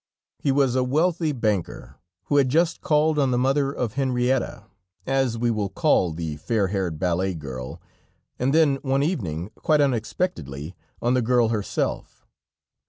He was a wealthy banker, who had just called on the mother of Henrietta, as we will call the fair haired ballet girl, and then one evening, quite unexpectedly, on the girl herself.